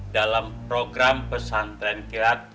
dalam program pesantren kilat